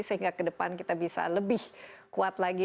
sehingga ke depan kita bisa lebih kuat lagi